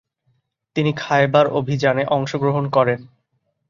তিনি খায়বার অভিযানে অংশগ্রহণ করেন।